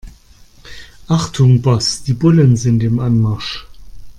Achtung Boss, die Bullen sind im Anmarsch.